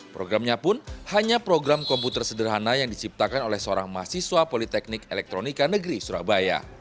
programnya pun hanya program komputer sederhana yang diciptakan oleh seorang mahasiswa politeknik elektronika negeri surabaya